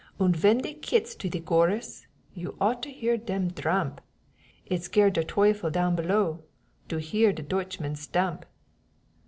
Und ven dey kits to de gorus You ought to hear dem dramp! It scared der Teufel down below To hear de Dootchmen stamp.